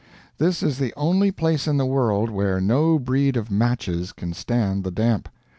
This is the only place in the world where no breed of matches can stand the damp.